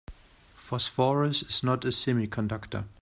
Phosphorus is not a semiconductor.